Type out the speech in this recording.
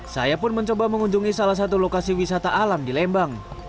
saya pun mencoba mengunjungi salah satu lokasi wisata alam di lembang